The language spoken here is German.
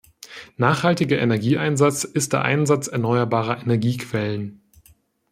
Nachhaltiger Energieeinsatz ist der Einsatz erneuerbarer Energiequellen.